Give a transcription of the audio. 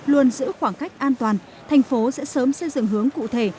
luôn giữ khoảng cách an toàn thành phố sẽ sớm xây dựng hướng cụ thể